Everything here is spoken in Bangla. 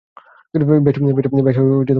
বেশ উচ্চাভিলাসী চিন্তা।